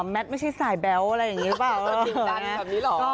แมทไม่ใช่สายแบ๊วอะไรอย่างนี้หรือเปล่า